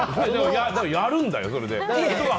やるんだよ、それで。